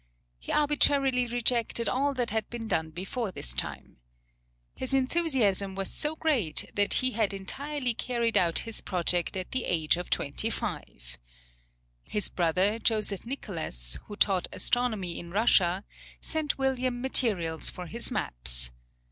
He arbitrarily rejected all that had been done before his time. His enthusiasm was so great that he had entirely carried out his project at the age of twenty five. His brother, Joseph Nicolas, who taught astronomy in Russia, sent William materials for his maps.